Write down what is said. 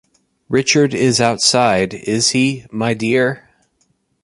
Richard is outside, is he, my dear?